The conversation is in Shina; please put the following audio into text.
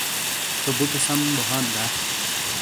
تھو بوٹے سم بو ہانت دا ؟